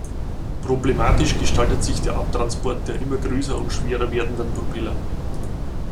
Problematisch gestaltet sich der Abtransport der immer größer und schwerer werdenden Propeller.